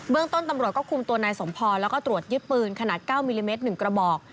ต้นตำรวจก็คุมตัวนายสมพรแล้วก็ตรวจยึดปืนขนาด๙มิลลิเมตร๑กระบอก